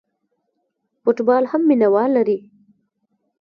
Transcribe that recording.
فوټبال هم مینه وال لري.